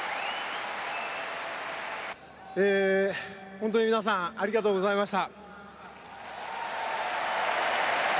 本当に皆さん、ありがとうございました。